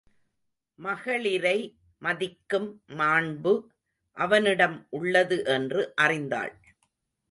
மகளிரை மதிக்கும் மாண்பு அவனிடம் உள்ளது என்று அறிந்தாள்.